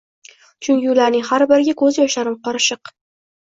Chunki ularning har biriga ko`z yoshlarim qorishiq